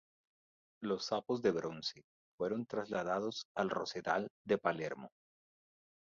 Los sapos de bronce fueron trasladados al rosedal de Palermo.